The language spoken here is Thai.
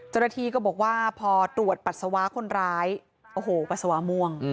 เจ้าหน้าที่ก็บอกว่าพอตรวจปัสสาวะคนร้ายโอ้โหปัสสาวะม่วง